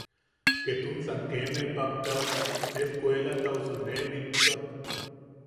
Ketunsan kee ne pappeʼeaosu eskoltausu nee bittuak.